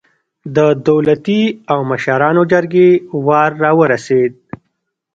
د دولتي او مشرانو جرګې وار راورسېد.